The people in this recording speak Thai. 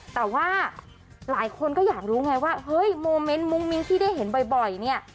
แต่ว่าหลายคนก็อยากรู้ไงว่าเฮ้ยโมเมนต์มุ้งมิ้งที่ได้เห็นบ่อยเนี่ย